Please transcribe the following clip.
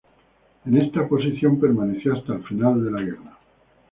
En esta posición permaneció hasta el final de la guerra.